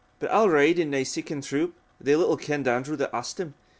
But I'll ride in nae siccan troop they little ken'd Andrew that asked him.